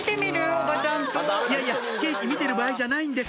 いやいやケーキ見てる場合じゃないんです